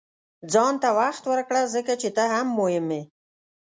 • ځان ته وخت ورکړه، ځکه چې ته هم مهم یې.